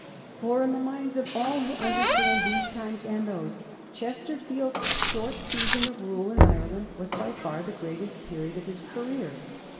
For, in the minds of all who understand these times and those, Chesterfield's short season of rule in Ireland was by far the greatest period of his career.